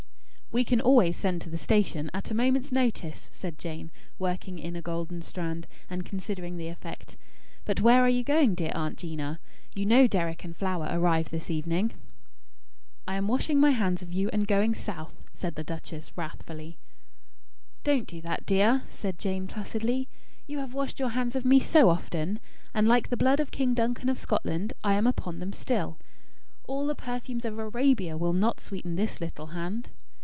"We can always send to the station, at a moment's notice," said Jane, working in a golden strand, and considering the effect. "But where are you going, dear Aunt 'Gina? You know Deryck and Flower arrive this evening." "I am washing my hands of you, and going South," said the duchess, wrathfully. "Don't do that, dear," said Jane, placidly. "You have washed your hands of me so often; and, like the blood of King Duncan of Scotland, I am upon them still. 'All the perfumes of Arabia will not sweeten this little hand.'"